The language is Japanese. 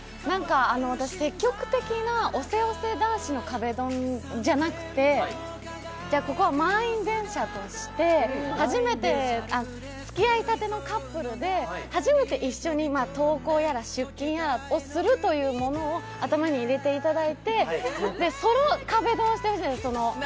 私、積極的な押せ押せ男子の壁ドンじゃなくて、ここは満員電車として、つきあいたてのカップルで、初めて登校やら出勤やらをするというものを頭に入れていただいてその壁ドンをしてほしいんです。